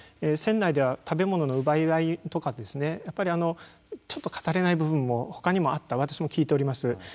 船内では食べ物の奪い合いとかやっぱりちょっと語れない部分もほかにもあった私も聞いております。